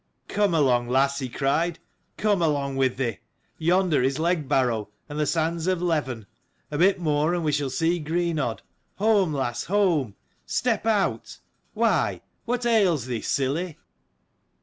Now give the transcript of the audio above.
"Come along, lass," he cried, "come along with thee! Yonder is Legbarrow, and the sands of Leven : a bit more and we shall see Greenodd. Home, lass, home! Step out. Why, what ails thee, silly?